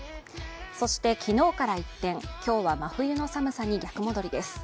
そして昨日から一転、今日は真冬の寒さに逆戻りです。